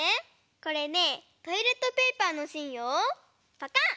これねトイレットペーパーのしんをぱかん！